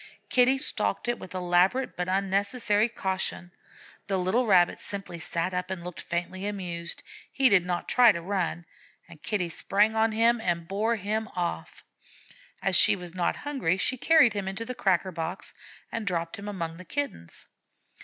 Kitty stalked it with elaborate but unnecessary caution; the little Rabbit simply sat up and looked faintly amused. He did not try to run, and Kitty sprang on him and bore him off. As she was not hungry, she carried him to the cracker box and dropped him among the Kittens.